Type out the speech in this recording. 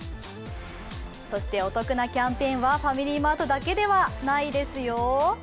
お得なキャンペーンはファミリーマートだけではないですよ。